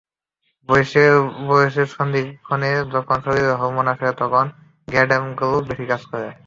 বয়সের সন্ধিক্ষণে যখন শরীরে হরমোন আসে, তখন গ্ল্যান্ডগুলো বেশি কাজ করে।